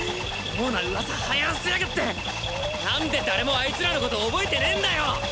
妙なウワサはやらせやがって何で誰もあいつらのこと覚えてねえんだよ！